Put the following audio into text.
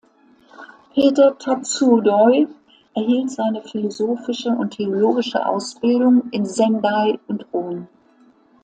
Peter Tatsuo Doi erhielt seine philosophische und theologische Ausbildung in Sendai und Rom.